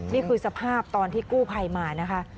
นี่คือสภาพตอนที่กู้ภัยมานะคะ